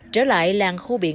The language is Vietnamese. trở lại làng khô biển